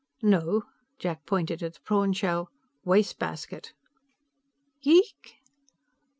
"No." Jack pointed at the prawn shell. "Wastebasket." "Yeek?"